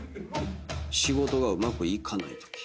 仕事がうまくいかない時。